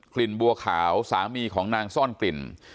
ลิ่นบัวขาวสามีของนางซ่อนกลิ่น